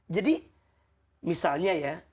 jadi misalnya ya